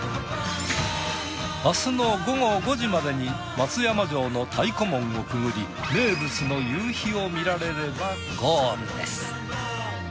明日の午後５時までに松山城の太鼓門をくぐり名物の夕日を見られればゴールです。